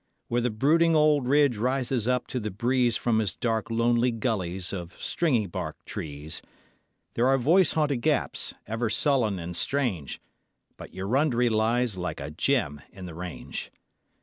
Where the brooding old ridge rises up to the breeze From his dark lonely gullies of stringy bark trees, There are voice haunted gaps, ever sullen and strange, But Eurunderee lies like a gem in the range.